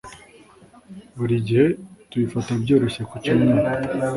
buri gihe tubifata byoroshye ku cyumweru